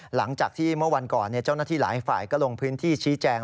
หลังจากที่เมื่อวันก่อนเจ้าหน้าที่หลายฝ่ายก็ลงพื้นที่ชี้แจง